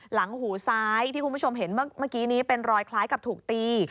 หลังหูซ้ายที่คุณผู้ชมเห็นเมื่อกี้นี้เป็นรอยคล้ายกับถูกตี